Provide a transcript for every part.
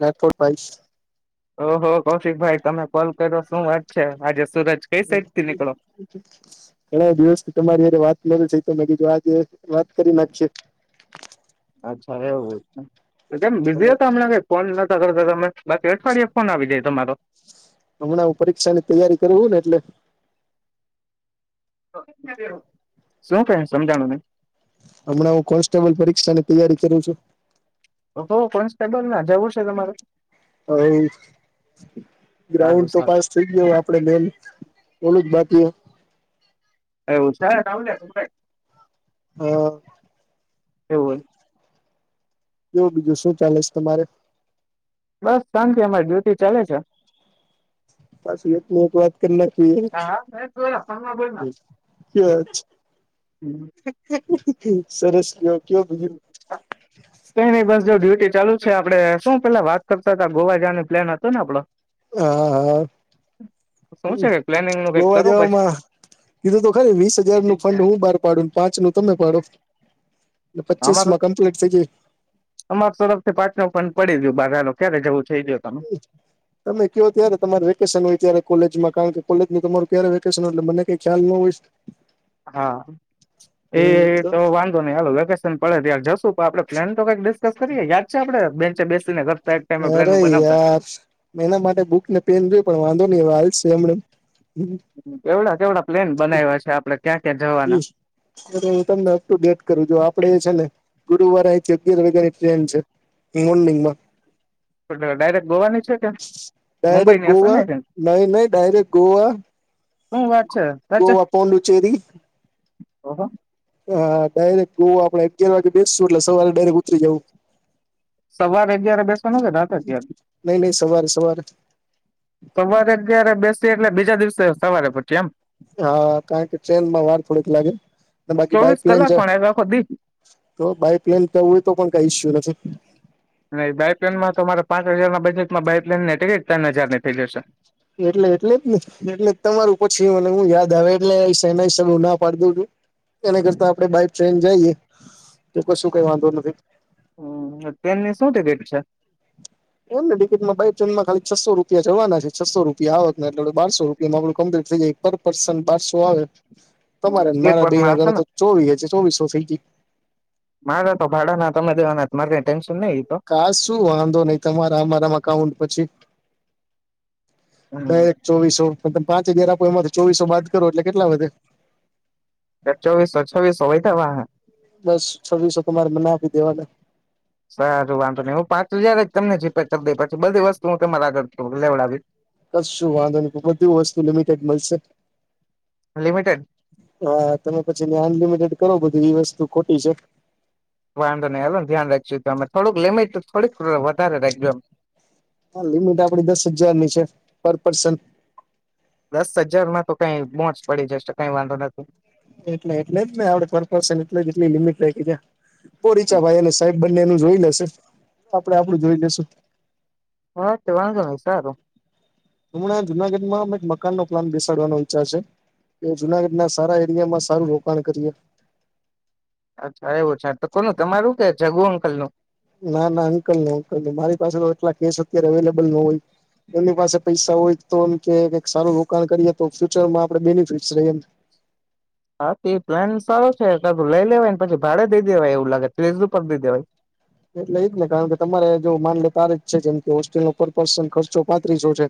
રાકોટ બાઇસ ઓહો કૌશિક ભાઈ તમે કોલ કર્યો શું વાત છે આજે સુરજ કઈ સાઈડ થી નીકળો ઘણા દિવસથી તમારી બધું છે તો બી જો આજે વાત કરી નાખશે હવે વું કેમ બીઝી હતા હમણાં કઈ ફોન નતા કરતા તમે બાકી અઠવાડિયે ફોન આવી જાય તમારો હમણાં હુ પરીક્ષા ની તૈયારી કરું ને એટલે શું કે સમજાણું નય? હમણાં હું કોન્સ્ટેબલ પરીક્ષાની તૈયારી કરું છું. ઓહો કોન્સ્ટેબલના જવું છે, તમારે? સારું ગાઉન્ડ તો સારું પાસ થઈ ગયો આપડે મેરીટ ઓલું જ બાકી એવું છે. હા. એવુ હોય જોવ બીજું શું ચાલે છે, તમારે બસ શાનતી અમારી ડ્યુટી ચાલે છે. બસને એક ને એક વાત [inaudible] સરસ ગયો કયો બીજું? કઈ નઈ બસ જો ડ્યુટી ચાલુ છે, આપડે શું પેલા વાત કરતા હતા ગોવા જવાનું પ્લાન હતો ને આપડો? હા હા શું છે પ્લાનિંગ નું કઈક ગોવા કરો બજેટ જવામાં કીધું તો ખરું વીસ હજારનું ફંડ હું બહાર પાડું પાંચ નું તમે પાડો અમારુ પચીસમાં કમ્પ્લીટ થઈ જાય અમારા તરફથી પાચનુ ફંડ પડી ગયું બહાર હાલો ક્યારે જવું? છે એ કયો તમે તમે કયો ત્યારે તમારે વેકેશન હોય ત્યારે કોલેજમાં કારણ કે કોલેજ તમારું ક્યારે વેકેશન હોય એ મને કઈ ખ્યાલ ન હોય હા. એ તો હમ વાંધો નઈ હાલો વેકેશન પડે ત્યા જશું પણ આપડે પ્લાન તો કઈક ડીસકસ કરીએ યાદ છે, આપડે બેન્ચે બેસીને લખતા એક ટાઈમે પ્લાનો અરે બનાવતા ઉગે પણ વાંધો નહી આવે છે, એમને કેવડા કેવડા પ્લેન બનાવ્યા છે, આપડે ક્યાં ક્યાં જવાના હું તમને અપ ટુ ડેટ કરું જો આપ આપણે છે, ને ગુરુવારે અહીંથી અગિયાર વાગ્યાની ટ્રેન છે, મોરનીગમાં ડાયરેક્ટ ગોવાની છે કે ડાયરેક્ટ મુંબઈની હશે ગોવા ને શું નહી નહી ડાયરેક્ટ ગોવા વાત છે ગોવા પોડુચેરી અં હ હા ડાયરેક્ટ જોવ આપડે અગિયાર વાગે બેસશું એટલે સવારે ડાયરેક્ટ ઉતરી જવું સવારે અગિયારે બેસ નહી નહી સવારે સવારે સવારે અગિયારે બેસી એટલે બીજા દિવસે સવારે પછી એમ? હા કારણ કે ટ્રેનમાં વાર થોડીક લાગે બાકી ચોવીસ બાય જ કલાક પણ એટલે આખો દી તો બાઈક લઈને જાવુ હોય તો પણ કઈ ઇશયુ નથી અને બાયપ્લેનમાંતો મારે પાંચ હજાર ના બજેટમાં બાયપ્લેનની ટિકિટ ત્રણ હજારની થઈ જશે એટલે એટલે જ ને એટલે તમારું પછી મને યાદ આવે એટલે સેના સગું ના પાડી દવ છું. એના કરતા આપણે બાય ટ્રેન જઈએ લોકોને શું કઈ વાંધો નથી હમ ટ્રેનની શું ટીકીટ છે. એમ ને કે ટિકિટમાં બાય ટ્રેનમાં ખાલી છસો રૂપિયા જવાના છે. છસો રૂપિયા આવક ને એટલે બારસો રૂપિયા માં બધુ કમ્પ્લીટ થઈ જાય પર પર્સન બારસો આવે તમારે મારા બે સ્લીપરમાં ના હશે ગણે ને તો ચોવી ચોવીસો થઈ [unintelligible] મારા તો ભાડાના તમે દેવાના મારે કઈ ટેન્ન કાશું વાંધો નહી તમારા મારા અકાઉન્ટ પછી ડાયરેક્ટ ચોવીસો મતલબ પાંચ હજાર આપો એમાંથી ચોવીસો બાદ કરો એટલે કેટલા વધે? ચોવીસો છવીસો વયધા વા બસ છવ્વીસો તમારે મને આપી દેવાના સારું વાંધો નહી હું પાંચ હજાર જ તમને જીપે કરી દઈશ પછી બધી વસ્તુ હું તમારા આગળ લેવડાવી કશું વાંધો નહી, બધી વસ્તુ લિમિટેડ મળશે. લિમિટેડ હા, તમે પછી અનલિમીટેડ કરો બધું એ વસ્તુ ખોટી છે, વાંધો નહી હવે ધ્યાન રાખજૉ તમે થોડીક લેમીટ તો થોડીક વધારે રાખજો. હા લિમીટ આપની દસ હજારની છે પર પર્સન દસ હજારમાં તો કઈ મોજ પડી જશે કઈ વાંધો નથી. એટલે એટલે જ આપડ પર પર્સન એટલે એટલી લિમિટ કરી છે, જો રીચાભાઈ અને સાહેબ બંને એનું જોઈ લેશે. આપડે આપડું જોઈ લઈશું. હા તે વાંધો નહી સારું હમણા જુનાગઢમાં અમે એક મકાન નો પ્લાન બેસાડવાનો વિચાર છે, એ જુનાગઢ ના સારા એરિયામાં સારુ રોકાણ કરીએ, અચ્છા એવું છે, તો કોનું તમારું કે જગુ અંકલ નું ના ના અંકલ નહી અંકલ ના મારી પાસે તો એટલા કેસ અત્યારે અવેલેબલ ન હોય. એમની પાસે પૈસા હોય તો એમ કે સારું રોકાણ કરીએ તો ફ્યુચરમાં આપણે બેનિફિટસ રહે એમ [unintelligible] હા, તે પ્લાન સારો છે કાધું લઈ લેવાય ને પછી ભાડે દઈ દેવાય એવું લાગે ત્રીસપર દઈ દેવાય, એટલે એજ ને કારણ કે તમારે જો માન લે તાર જ છે, જેમ કે હોસ્ટેલ ન પર પર્સન ખર્ચો પાંત્રીસો છે.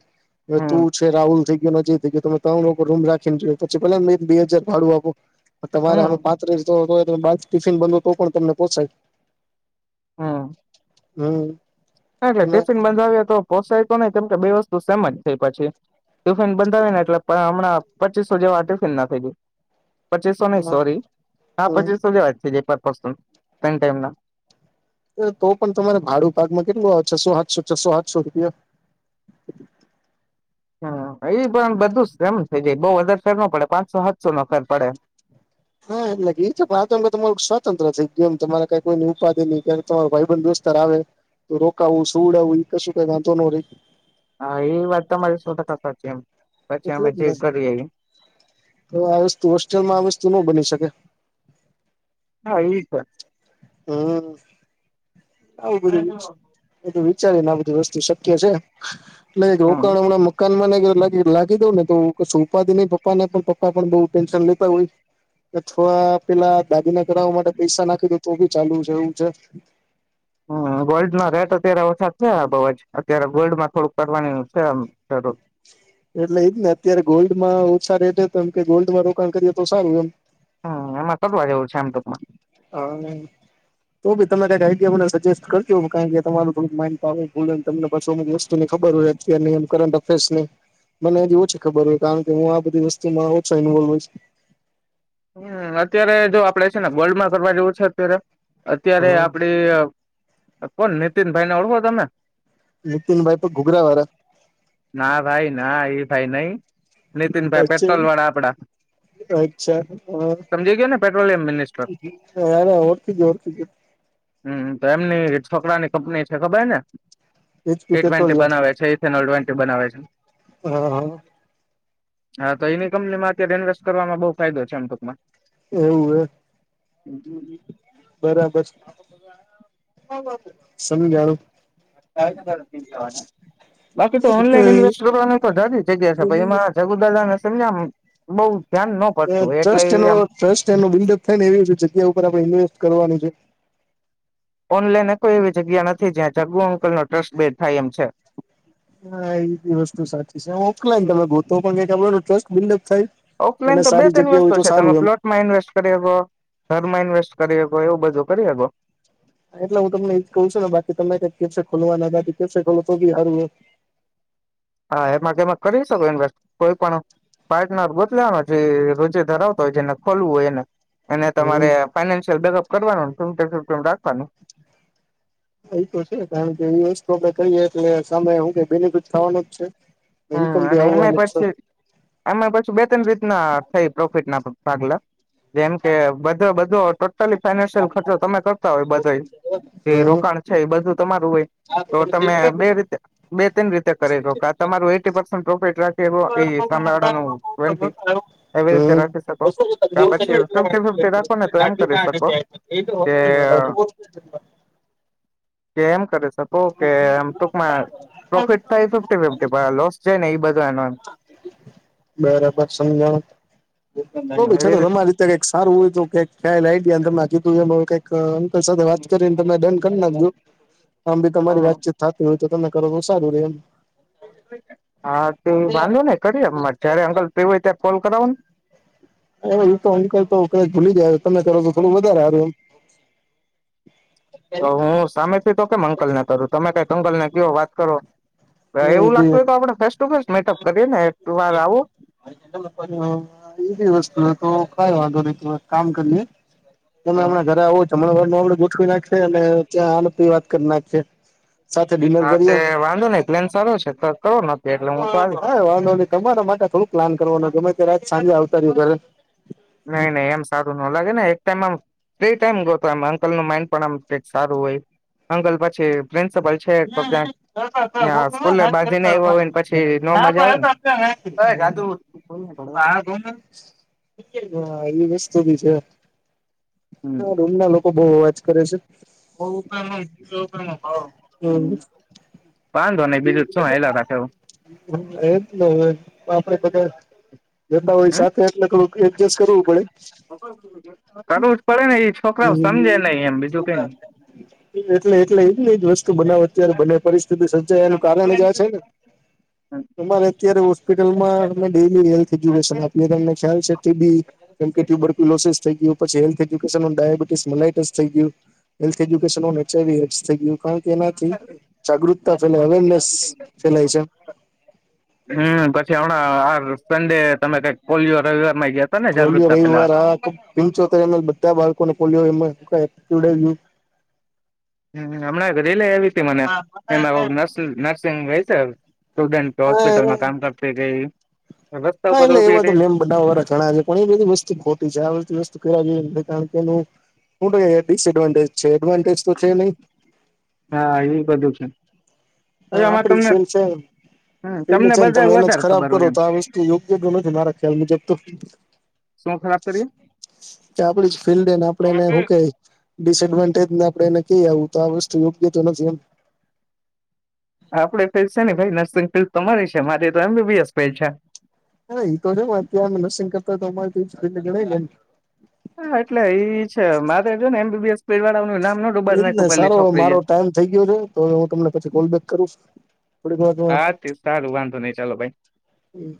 હવે હમ તું છે રાહુલ થી નઈ ગયો ત ત્રણ લોકો રૂમ રાખીને જો પછીલા એક બે હજાર ભાડું આપું, તમારે હમ અમે પાત્ર ટિફિન બનો તો પણ તમને પોચાય હમ્મ હા એટલે ટિફિન બંધાવી તો પોસાય તો નઈ કેમ કે બે વસ્તુ સમજ થઈ પછી, ટિફિન બંધાવને એટલે પણ હમણાં પચીસો જેવા ટિફિન ના થઈ ગય પચીસો નહી સોરી હા પચીસો લેવા છે ટ તો પણ તમારે ભાડું પાકમાં કેટલું આવે છસો સાસો છસો સાઠસો રૂપિયા [unintelligible] હ એ પણ બધું એમ થ જાય બઉ વધારે સરે ન પડે પાંસો હા એટ લાગી છે, પણતો એમ કે તમારું શ સ્વતંત્ર થઈ ગમ તમારે કઈ કોઈની ઉપાધિ નહી તમારો ભાઈ બંધુસ્તાર આવે, રોકાવું સુ ઉડાવું એ કશું કઈ વાંધો ન રહી હા એ વાત તમારી સો ટકા સાચી એમ પછી એટલે અમે જ જે કરીએ એ નહી આવી વસ્તુ હોસ્ટેલમાં આવી વસ્તુ ન બની શકે, હા એ છે, હમ્મ આવું બધું એ તો વિચારી ને આ બધી વસ્તુ શક્ય છે, એટલે હમ. રોકાણ હમણાં મકાન માં લાગી દઉં ને તો ક ઉપા ન પપ્પાને પણ પપ્પા પણ બ ટેન્શન લેતા હોય, કે થોડા પેલા દાદીને કરાવવા માટે પૈસા નાખી દ તો બી ચાલુ છે, એવું છે, હમ્મ વોલ્ડ ના રેટ અત્યારે વરસા છે, બ જ અત્યારે ગોલ્ડ માં થોડુંક કરવાની છે, આમ જરૂર એટલે એજ ને અત્યારે ગોલ્ડ માં ઓછા રેટ તો એમ કે ગોલ્ડમાં રોકાણ કરીએ, તો સારું એમ હમ એમાં કરવા જેવું છે આમ ટૂંકમાં હમ્મ તું ભી તમે કઈ ને સજેસ્ટ કર હો કારણ કે તમાર થોું માડ તમને પાછોમ જસ્તુની ખબર હોય છે, [unintelligible] મને એથી ઓછી ખબર હોય કારણ કે હું આ બધી વસ્તુમાં ઓછા ઇન્વોલ્ હોઈશ, હમ્મ અત્યારે જો આપડે છે, ને ગર્લ્ડમાં કરવા જેવું છે, અત્યારે અત્યારે આપડી કોણ નીતિનભાઈ ને ઓળખો તમે? નીતિનભાઈ પણ ઘુઘરા વાળા ના ભાઈ ના એ ભાઈ નહી નીતિન ભાઈ પેટ્રોલ વાળા આપડા અચ્છા સમજી ગયા ને પેટ્રોલિયમ મિનિસ્ટર અચ્છા અરે ઓળખી ગયો ઓળખી ગયો હમ્મ તો એમની છોકરાની કંપની છે ખબર ને એચપી ટી ટ્વેન્ટી પેટ્રોલિયમ બનાવે છે ઇથેનોલ ટ્વેન્ટી બનાવે છે, હા હા હા તો એની કંપનીમાં અત્યારે ઇન્વેસ્ટ કરવામાં બહુ ફાયદો છે આમ ટૂકમાં એવું હ હમ હમ બરાબર સમજારું ી થવાનું બાકી તો ઓનલાઈન ઇન્વેસ્ટ કરવાની તો જદી જગ્યા છે ટ્રસ્ટ એમાં જગુદાદા ને સમજ બઉ ધ્યાન ટ્રસ્ટ એનો આમ ટ્રસ્ટ એનો બિલ્ડઅપ થાય ને એવી જગ્યા ઉપર આપડણે ઇન્વેસ્ટ કરવાનું છે ઓનલાઈનને કોઈ એવી જગ્યા નથી જ્યાં જગુ અંકલ નો ટ્રસ્ટ બેડ થાય એમ છે હા એ બી વસ્તુ સાચી છે હ ઓકલાયનેમે તો પણ ખ ટસ્ટ બ ઓફલાઈન તો બે ત્રણ વસ્તુ છે તમે એમ પ્લોટમાં ઇન્વેસ્ટ કરી હો ઘરમાં ઇન્વેસ્ટ કરીગ એવું બધું કરીએગો એટલે હું તમને એ કહું છું ને બાકી તમે ક કેસે ખોલવા ના કેસે ખોલ તો બી હારું હા એમાં કેમે કરી શકો ઇન્વેસ્ટ કોઈ પણ પાર્ટનર બદલ જે રોજે ધરાવતા હોય જેને ખોલવું હોય એને અને હમ તમારે ફાઈનાન્શિયલ બેકઅપ કરવાનુંમમ રાખવાનું એ તો છે કારણ કે એ વસ્તુ આપડે કરીય એટલે સામે હું ક બેને ક ખાવાનું જ છે હમ ઇન્કમ ભી અને એમાં આવવાની જ છે પછી એમાં પછી બે ત્રણ રીતના થઈ પ્રોફિટ ના ભાગલા જેમ કે બધો બધો ટોટલી ફાઈનાન્શિયલ ખર્ચો તમે કરતા હોય બધો જે હમ રોકાણ છે એ બધું તમારું હોય તો તમે બે રીતે બે તન રીતે કરી લોો કે તમારું એ પન્ટ પ્રોફિટ રાખ એવો એ સંભળનું વન્ટ એવી રીતે હમ રાખી શકો કે પછી ફિફ્ટી ફિફ્ટી રાખોને તો એમ કરી શકો કે [inaudible] કે એમ કરી શકો કે આમ ટૂંકમાં પ્રોફિટ થાય ફિફ્ટી ફિફી લોસ છે નને એ બ બરાબર સમજણ બ છતો રમારી રીતે કઈક સારું હોય તો કઈ ખ્યાલ આઈડ માગી એ કઈક વાત કરી ડન કરી ના આમ બી તમારી વાતચીત થતી હોય તો તમે કરો તો સારું રે એમ હા તે વાંધો ને કરીરે જયારે અંકલ પ હોય ત્યારે કોલ કરાવો ને હ તો અંકલ તો કદાચ ભૂલી જાય તમે કરો તો થોડું વધારે હાર્યું એમ તો હું સામેથી તો કે મકલ ના કરું તમે કઈ કંગલને કયો વાત કરો એમ હ એ એવું લાગતું હોય તો આપડણે ફેસ ટુ ફેસ મેકઅપ કરીએ ને એક વાર આવું એ એવી વસ્તુ તો ક વાંધો ન કામ કરીએ તમેણાં ઘરે આવો છો હમણાં ઘર આપે નાખી અને ત્યાં આી વાત કરી નાખી સાથે ડિનર હા તે કરી વાંધો નઈ પ્લેન સારો છે તો કરો નક્કી એટલે હું તો આવીશ વા ન તમારા માટે થોડું પ્લાન કરવાનું ગમે તે રાત સાંજે આવતા રહય ઘર નહી નહી એમ સારું ન લાગે ને એક ટાઈમ આમ ફ્રી ટાઈમ ગયો હતો એમ અંકલ ન માઇન્ડ પણ આમ કઈક સારું હોય અંકલ પછી ફન્ હમમ સ્કૂલે બાંધીને આવ્યા હોય ને પછી ન મજા આવે પાર દોન હા એવી વસ્તુ બી છે મના લોકો બહ અવાજ કરે છે હમ વાંધો નઈ બીજું શું હેલા રાખે હ એટ હ આપડે બધા એના હોય હમ સાથે એટલે થડું એડજસ્ટ કરવું પડે ક પડે નહી હ એટલે એટલે એજ જ વસ્તુ બનાવ અત્યારે બને પરિસ્થિતિ સર્જાયનું કારણે જ છે ને તમારે અત્યારે હોસ્પિટલમાં અને ડેલી હેલ્થ એજ્યુકેશન આપીએ એમને ખ્યાલ છે. ટીબી કેમ કે ટ્યુબરક્યૂલોસીસ થઈ ગયું પછી health education on diabetes mellitus થઈ ગયું, health education on H I V થઈ ગયું. કારણ એનાથી જાગૃતતા ફેલાય અવેરનેસ ફેલાય છે. હમ પછી હમણાં આર. સંડે તમે કઈક પોલિયો રવિવાર માં ગયા હતા ને પોલિયો જાગૃતતા પેલા? રવિવાર આ પંચોતેર એમ એલ બધા બાળકોને પોલિયો પીવડાવ્યું. હમ હમણાં રીલે આવી તી મને એમાંસ નર્સિંગ વ છે. સ્ટુડન્ટ હોસ્પિટલમાં કામ કરતી ગઈ. રસ્તા હા ઉપર એટલે ઉભી એવા તો રહીને મેમ બધા વાળાણા છે પણ એ બધી વસ્તુ ખોટી છે આ બધી વસ્તુ [unintelligible] કારણ કે એનું [unintelligible] ડિસએડવાન્ટેજ છે એડવાન્ટેજ તો છે નહીં હા એ બધું છે હવે હમ આમાં અપડી [unintelligible] તમને છે હમ પેલે તમને છે ને બધા તમે એને જ વધારે ખરાબ ખબર કરો હોય એમ તો આ વસ્તુ યોગ્ય તો નથી મારા ખ્યાલ મુજબ તો. શું ખરાબ કરીએ? કે આપડી ફિલ્ડને આપડે એને શું કે ડિસડવાન્ટેજ ને આપણે એને ક ું તો વષ યોગ્ય તો નથી એમ [unintelligible] આપડે ફિલ્ડ છે ને ભાઈ નર્સિંગ ફિલ્ડ તમારી છે મારી તો એમબીબીએસ ફિલ્ડ છે. હા તો અત્યારે નર્સિંગ કરતા તો અમારે ગણાય એ એમ. હા એટલે ઈ છે મારે જો ને એમબીબીસ પળનુંું [unintelligible] નામ ન ડુબાડ નાખું પેલી સારો છોકરી એ મારો ટાઈમ થઈ ગયો છે તો હવે હું તમને પછી કોલ બેક કરું છું. હા તે સારું વાંધો નહી ચાલો બાઈ. હમ.